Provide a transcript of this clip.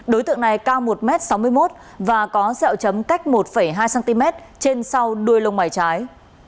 đối tượng này cao một m sáu mươi một và có xẹo chấm cách một hai cm trên sau đuôi lông mày trái